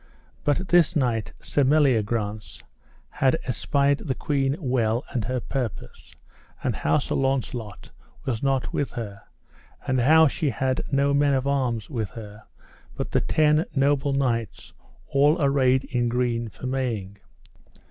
But this knight, Sir Meliagrance, had espied the queen well and her purpose, and how Sir Launcelot was not with her, and how she had no men of arms with her but the ten noble knights all arrayed in green for Maying.